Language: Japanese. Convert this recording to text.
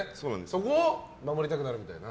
そこを守りたくなるみたいな。